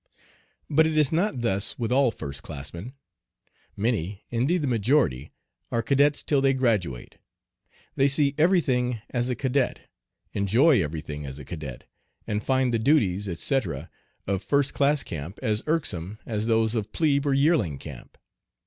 But it is not thus with all first classmen. Many, indeed the majority, are cadets till they graduate. They see every thing as a cadet, enjoy every thing as a cadet, and find the duties, etc., of first class camp as irksome as those of plebe or yearling camp.